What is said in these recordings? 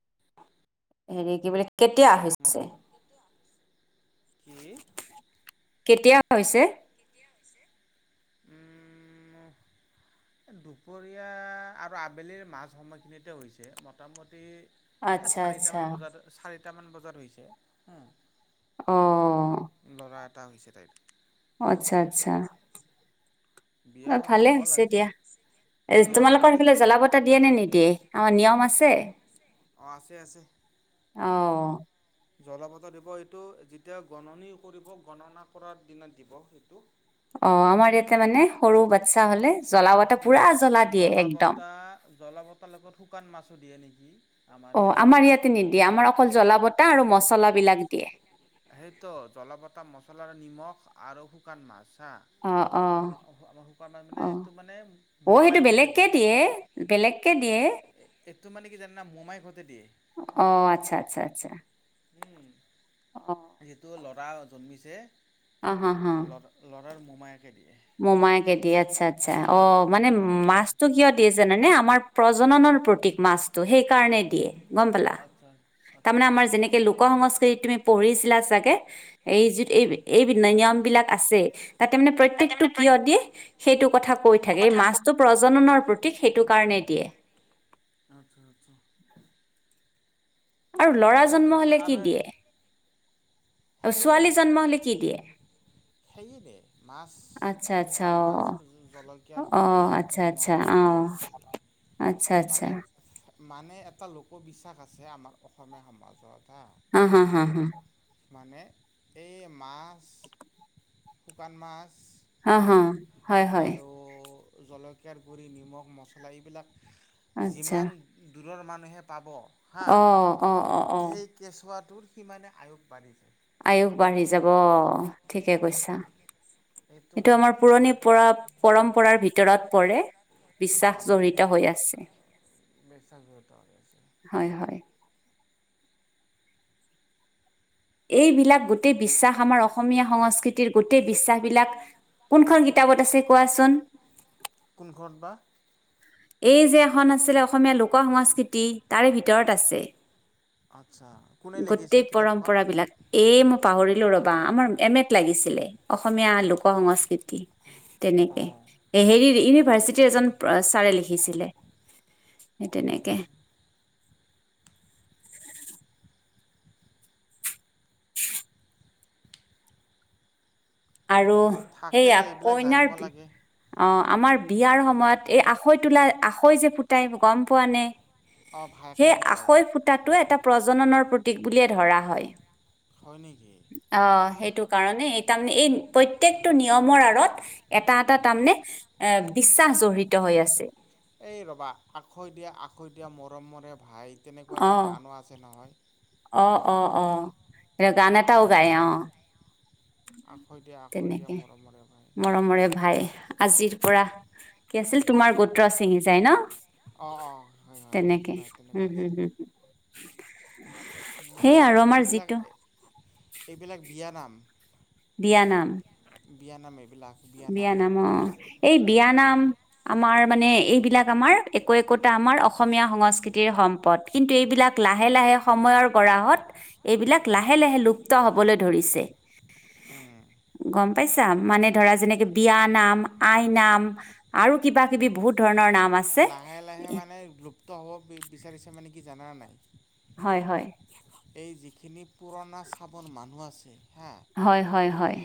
[inaudible] হেৰি কি বোলে কেতিয়া হৈছে [inaudible] কেতিয়া হৈছে [inaudible] দুপৰীয়া আৰু আবেলিৰ মাছ সময়খিনিতে হৈছে মোটামুটি [unintelligible] এ চাৰিটামান বজাত চাৰিটামান বজাত হৈছে হ [unintelligible] অ ল'ৰা এটা হৈছে তাইৰ আচ্ছা আচ্ছা অ ভালে হৈছে দিয়া এ তোমালোকৰ সেইফালে জ্বলা পতা দিয়ে নে নিদিয়ে আমাৰ নিয়ম আছে অ আছে আছে অ জলাপতাৰ দিব এইটো যেতিয়া গণনি কৰিব গণনা কৰাৰ দিনত দিব সেইটো [unintelligible] অ আমাৰ ইয়াতে মানে সৰু বাচ্ছা হলে জলা বতাহ জ্বলা বতাৰ লগত শুকান মাছো দিয়ে নেকি [unintelligible] অ আমাৰ ইয়াতে নিদিয়ে আমাৰ অকল জ্বলা বতাহ আৰু মচ সেইটো জলাপতা মছলা নিমখ আৰু শুকান মাছ [unintelligible] অ অ অ অ সেইটো বেলেগকে দিয়ে বেলেগকে দিয়ে এইটো মানে কি জানা মোমাই ঘতে দিয়ে উম সেইটো ল'ৰা জন্মিছে লৰা লৰাৰ মোমায়েকে দিয়ে মোমাইয়েকে দিয়ে আচ্ছা আ্ছা অ মানে মাছটো কিয় দিয়ে জানানে নানে আমাৰ প্ৰজননৰ প্ৰতিক মাছটো সেইকাৰণে দিয়ে গম পালা তাৰমানে আমাৰ যেনেকে লোক সংস্কৃতি তুমি পঢ়িছিলা চাগে এই যি এই এই নিয়ম বিলাক আছে তাতে মানে প্ৰতেক কিয় দিয়ে সেইটো কথা কৈ থাকে মাছটো প্ৰজননৰ প্ৰতীক সেইটো কাৰণেই দিয়ে আৰু ল'ৰা জন্ম হলে কি দিয়ে আৰু ছোৱালী জন্ম হলে কি দিয়ে হেৰি দিয়ে মাছ শুকান মাছ জলকীয়াৰ গুৰি নিমখ মনে এটা মানে এটা লোকবিশ্বাস আছে আমাৰ অসমীয়া সমাজত। হা হা হা হা! মানে এই মাছ শুকান মাছ অ হা হয় হয়। জলকীয়াৰ গুড়ি নিমখ মছলা এইবিলাক যিমান দূৰৰ মানুহে পাব হাঁ, সেই কেঁচুৱাটোৰ সিমানে আয়োগ বাঢ়ে। আয়ুস বাঢ়ি যাব ঠিকে কৈছা। এইটো আমাৰ পুৰণি প পৰম্পৰাৰ ভিতৰত পৰে। বিশ্বাস জড়িত হৈ আছে। বেচাতছে [unintelligible] এইবিলাক গোটেই বিশ্বাস আমাৰ অসমীয়া সংস্কৃতিৰ গোটেই বিশ্বাসবলাক কোনখন কিতাপত আছে কোৱাচোন? কোন খন বা? এই যে এখন আছিলে অসমীয়া লোক সংস্কৃতি তাৰে ভিতৰত আছে। গোটেই পৰম্পৰা বিলাক এ মই পাহৰিলো ৰব। বা আমাৰ এম এত লাগিছিলে অসমীয়া লোক সংস্কৃতি। তেনেকে হেৰি ইউনিভাৰ্চিটিৰ এজন চাৰে লিখি চিল সেই তেনেকে। আৰু সেইয়া কইনাৰ অ আমাৰ বিয়াৰ সময়ত এই আখৈ তোলা আখৈ যে ফুটাই গম পোৱা নে? অ। সেই আখৈ ফুটাটো এটা প্ৰজননৰ প্ৰতীক বুলিয়ে ধৰা হয়। অ সেইটো কাৰণে তাৰমানে এই প্ৰত্যেকটো নিয়মৰ আঁৰত এটা এটা তাৰমানে এ বিশ্বাস জ়ৰিত হৈ আছে। এই ৰবা আখৈ দিয়া আখৈ দিয়া মৰম মৰে ভাই। অ অ অ অ এ গানে টাও গাই অ। তেনেকে মৰমৰে ভাই আজিৰ পৰা কি আছিল তোমাৰ গ পুত্ৰ চিঙি যায় ন? তেনেকে উম উম হ। [unintelligible] এইবিলাক এইবিলাক এইবিলাক বিয়ানাম। বিয়ানাম। বিয়া নাম এইবিলাক। বিয়ানাম অ এই বিয়ানাম আমাৰ মানে এইবিলাক আমাৰ একো একোটা আমাৰ অসমীয়া সংস্কৃতিৰ সম্পদ। কিন্তু এইবিলাক লাহে লাহে সময় সময়ৰ গহত এইবিলাক লাহে লাহে লুপ্ত হবলৈ ধৰিছে। গম পাইছা? মানে ধৰা যেনেকে বিয়া নাম আই নাম আৰু কিবা কিবি বহুত ধৰণৰ লাহে লাহে মানে লুপ্ত হ'ব বি বিচাৰিছে মানে কি জানা নাই। হয় হয়। এই যিখিনি পুৰণা চাবন মানুহ আছে। হয় হয় হয়।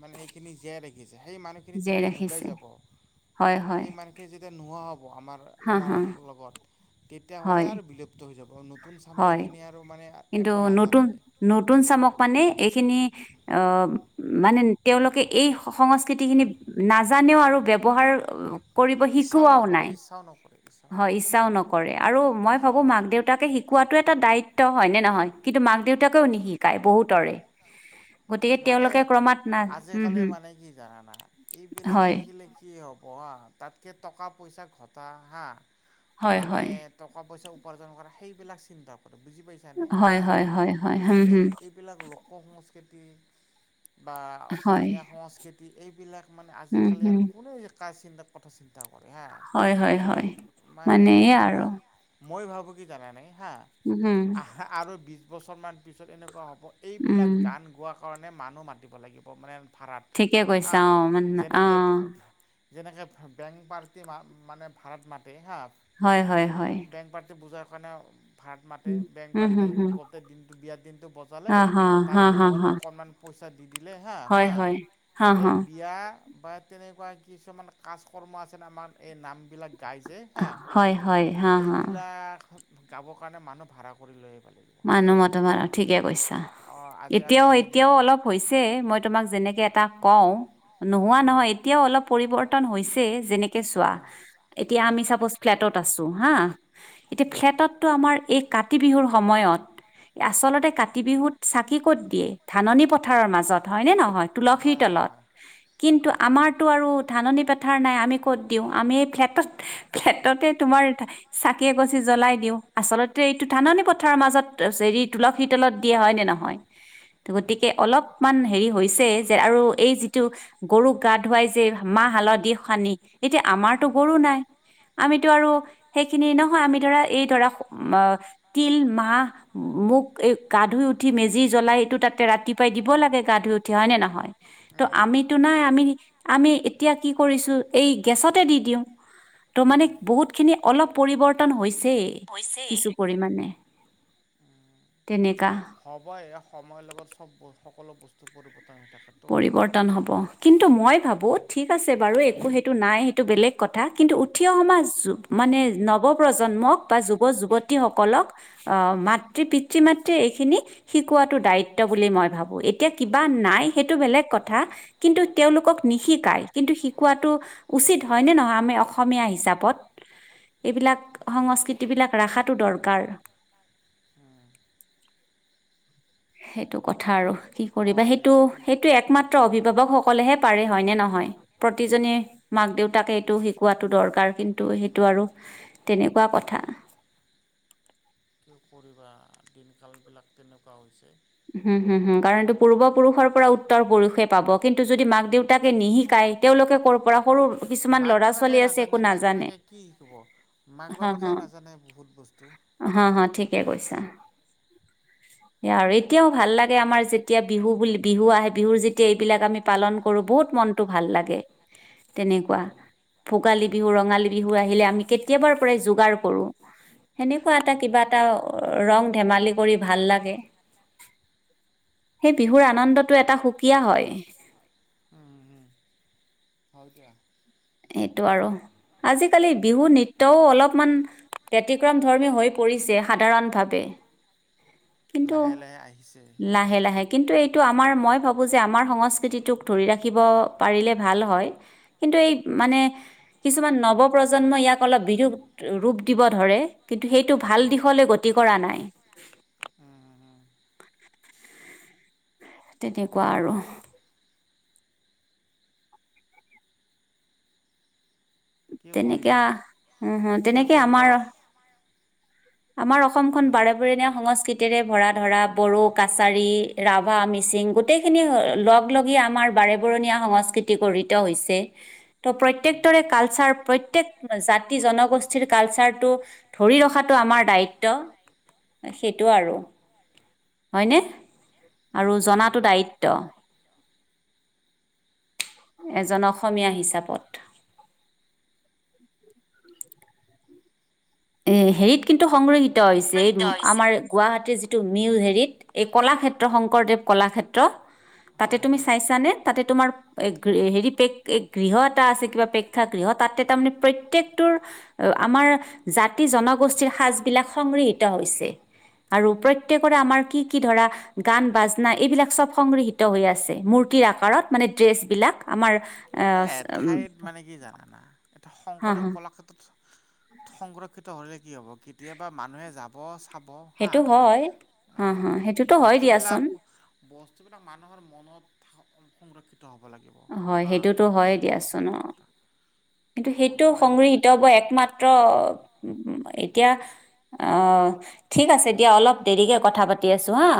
মানে এইখিনি জীয়াই ৰাখিছে। সেই মানুহখিনি যেতিয়া ধুকাই যাব সেই মানুহখিনিৰ নুহোৱা হ'ব আম আমৰ লগত তেতিয়া'লে আৰু বিলুপ্ত হৈ যাব। নতুন চামেই কিন্তু নতুন নতুন চামক মানে এইখিনি মানে তেওঁলোকে এই সংস্কৃতিখিনি নাজানেও আৰু ব্যৱহাৰ কৰিব শিকোৱাও নাই। হয় ইচ্ছাও নকৰে আৰু মই ভাবো মাক দেউতাকে শিকোৱাতটো এটা দায়িত্ব। নে নহয় কিন্তু মাক দেউতাকেও নিশিকায় বহুতৰে। মানে আজিকালি মানে কি জানানা এইবিলাক শিকিলে কি হয়। হা মান। উপাৰ্জন কৰা সেইবিলাক চিন্তা। বুজি পাইছানে হা এই এইবিলাক লোক সংস্কৃতি। বা অসমীয়া সংস্কৃতি এইবিলাক মানে আজিকালি আৰু কোননে চিন্তা কথা চিন্তা কৰ। হয় হয় হয় মানেয়া আৰু। মই ভাবোঁ কি জানা নাই হা আৰু বিশছ বছৰমান পিছত এনেকুৱা হ'ব। এইবিলাক গান গোৱাৰ কাৰণে মানুহ মাতিব লাগিব মানে। ঠিকে কৈছা অ মান আহ। যেনেকে বেংক পাৰ্টি মানে ভাড়াত মাতে হা। হয় হয় হয়। অকাৰণে। ভাৰাত মাতে বেংক পাৰি গোটেই দিনটো বিয়াৰ দিনটো বজালে তাৰ বিনিময়ত অকণমান প দি দিলে হা হা এই বিয়া বা তেনেকুৱা কিছুমান কাজ কৰ্ম আছে আমাৰ এই নামবিলাক গাইছে হা এইবিলাক গাবৰ কাৰণে মানুহ ভাড়া কৰি লৈ আহে মানুহ মই তোমাৰ ঠিকে কৈছা এতিয়াও এতিয়াও অলপ হৈছে মই তোমাক যেনেকে এটা কওঁ। নোহোৱা নহয় এতিয়াও অলপ পৰিবৰ্তন হৈছে যেনেকে চোৱা এতিয়া আমি চাপজ ফ্লেটত- ছো হা এতিয়া ফ্লেটতটো আমাৰ এই কাতি বিহুৰ সময়ত আচলতে কাতি বিহুত চাকি ক'ত দিয়ে ধাননি পথাৰৰ মাজত হয়নে নহয়। তুলসী তলত কিন্তু আমাৰটো ধাননি পথাৰ নাই। দিও আমি ফ্টেট ফ্লেটতে তোমাৰ চাকি এগছি জ্বলাই দিওঁ আচলতে এইটো ধান পথাৰ মাজত হেৰি তুলসী তলত দিয়া হয় নে নহয় গতিকে অলপমান হেৰি হৈছে যে আৰু এই যিটো গৰুক গা ধুৱাই যে মাহ হালধি সানি এতিয়া আমাৰতো গৰু নাই আমিতো আৰু সেইখিনি নহয় আমি ধৰা এই ধৰা। তিল মাহ মোক এই গা ধুই উঠি মেজি জ্বলাই এইটো তাতে ৰাতিপুৱাই দিব লাগে গা ধুই হয় নে নহয় ত আমি টো নাই আমি এতিয়া কি কৰিছোঁ গেছতে। দিওঁ ত' মানে বহুত খিনি অলপ পৰিৱৰ্তন হৈছেই কিছু পৰিমানে। তেনেকা সবই সময়ৰ লগত চব সকলো বস্তু পৰিবৰ্তন পৰিৱৰ্তন হব কিন্তু মই ভাবো ঠিক আছে বাৰু একো সেইটো নাই সেইটো বেলেগ কথা কিন্তু উঠি অ সমাজ মানে নৱ প্ৰজন্মক বা যুৱ যুৱতীসকলক অ মাতৃ পিতৃ মাতৃয়ে এইখিনি শিকোৱাতো দায়িত্ব বুলি মই ভাবো এতিয়া কিবা নাই সেইটো বেলেগ কথা কিন্তু তেওঁলোকক নিশিকায় কিন্তু শিকোৱাটো উচিত হয় নে নহয় আমি অসমীয়া হিচাপত এইবিলাক সংস্কৃতিবিলাক ৰাখাটো দৰকাৰ [unintelligible] সেইটো কথা আৰু কি কৰিবা সেইটো সেইটো একমাত্ৰ অভিভাৱক সকলেহে পাৰে হয় নে নহয় প্ৰতিজনী মাক দেউতাকে এইটো শিকোৱাটো দৰকাৰ কিন্তু সেইটো আৰু তেনেকুৱা কথা। [inaudible] কি কৰিবা দিনকাল বিলাক তেনেকুৱা হৈছে হম হুম হুম কাৰণ এইটো পূৰ্ব পুৰুষৰ পৰা উত্তৰ পুৰুষে পাব কিন্তু যদি মাক দেউতাক নিশিকাই তেওঁলোকে কৰ'ৰ পৰা সৰু কিছুমান ল'ৰা ছোৱালী আছে একো নাজানে মাক বাপেকে নাজানে বহুত বস্তু। হা হা ঠিকে কৈছা আৰু এতিয়াও ভাল লাগে আমাৰ যেতিয়া বিহু বুলি বিহু আহে বিহুৰ যেতিয়া এইবিলাক আমি পালন কৰোঁ বহুত মনটো ভাল। লাগে তেনেকুৱা। ভোগালী বিহু ৰঙালী বিহু আহিলে আমি কেতিয়াবাৰ পৰাই যোগাৰ কৰো। সেনেকুৱা এটা কিবা এটা ৰং ধেমালি কৰি ভাল লাগে। সেই বিহুৰ আনন্দটো এটা সুকীয়া হয়। [inaudible] হয় দিয়া সেইটো আৰু আজিকালি বিহু নৃত্যও অলপমান। ব্যতিক্ৰম ধৰ্মী হৈ পৰিছে সাধাৰণভাৱে। কিন্তু লাহে- লাহে কিন্তু এইটো আমাৰ মই ভাবো। ভাবোঁ যে আমাৰ সংস্কৃতিটোক ধৰি ৰাখিব পাৰিলে ভাল হয় কিন্তু এই মানে কিছুমান নৱপ্ৰজন্মই ইয়াক অলপ বিৰূপ ৰূপ দিব। ধৰে কিন্তু সেইটো ভাল দিশলে গতি কৰা নাই। তেনেকুৱা আৰু। তেনেকে আহ তেনেকে আমাৰ। আমাৰ অসমখন বাৰে বৰণীয়া সংস্কৃতি। ৰে ভৰা ধৰা বড়ো, কাছাৰী, ৰাভা, মিচিং গোটেই খিনি লগ লাগি আমাৰ বাৰে বৰণীয়া সংস্কৃতি গঢ়িত হৈছে। ত' প্ৰত্যেক দৰে কালচাৰ প্ৰত্যেক জাতি জনগোষ্ঠীৰ কালচাৰটো ধৰি ৰখাত আমাৰ দায়িত্ব সেইটো আৰু হয়নে। আৰু জনাতো দায়িত্ব। এজন অসমীয়া হিচাপত। এ হেৰিত কিন্তু সংৰক্ষিত হৈছে আমাৰ গুৱাহাটী যিটো মিউজ হেৰিত এই কলাক্ষেত্ৰ শংকৰদেৱ কলাক্ষেত্ৰ। তাতে তুমি চাইছানে তাতে তোমাৰ। এ হেৰি পে গৃহ এটা আছে কিবা প্ৰেক্ষা গৃহ তাতে তাৰমানানে প্ৰত্যেকটোৰ আমাৰ জাতি জনগোষ্ঠীৰ সমাজবিলাক সংগৃহীত হৈছে। আৰু প্ৰত্যেকৰে আমাৰ কি কি ধৰা গান বাজনা এইবিলাক চব সংগৃহীত হৈ আছে মূৰ্তিৰ আকাৰত মানে ড্ৰেছ বিলাক আমাৰ অঁ। এতিয়া শংকৰদেৱ কলাক্ষেত্ৰত সংৰক্ষিত হলে কি হ'ব কেতিয়াবা মানুহে যাব। ব চাব সেইটো হয়, অ হ সেইটোতো হয় দিয়াচোন। বস্তুবিলাক মানুহৰ মনত সংৰক্ষিত। হ'ব লাগিব হা সেইটো সেইটো কথা। কিন্তু সেইটো সংৰক্ষিত একমাত্ৰ এতিয়া অ ঠিক আছে। এতিয়া অলপ দেৰিকে কথা পাতি আছো হা।